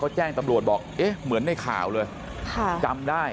แจ้งตำรวจบอกเอ๊ะเหมือนในข่าวเลยจำได้